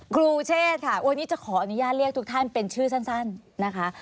ครูเชษค่ะวันนี้จะขออนุญาตเรียกทุกท่านเป็นชื่อสั้นนะคะ